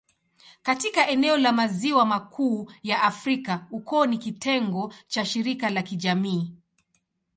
Katika eneo la Maziwa Makuu ya Afrika, ukoo ni kitengo cha shirika la kijamii.